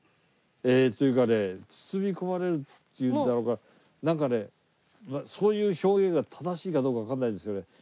ええというかね包み込まれると言うんだろうかなんかねそういう表現が正しいかどうかわからないですけどね。